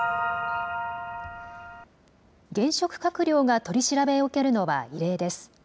現職閣僚が取り調べを受けるのは、異例です。